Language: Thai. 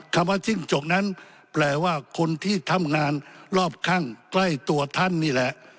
คำว่าจิ้งจกนั้นแปลว่าคนที่ทำงานรอบข้างใกล้ตัวท่านนี่แหละ